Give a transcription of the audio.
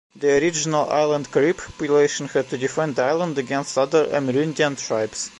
The original Island Carib population had to defend the island against other Amerindian tribes.